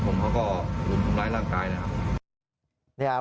ลุมคุมร้ายร่างกายนะครับ